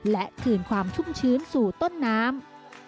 และคืนความชุ่มชื้นสู่ต้นน้ำ